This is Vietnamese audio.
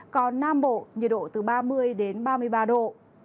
còn nam bộ nhiệt độ từ ba mươi đến ba mươi ba độ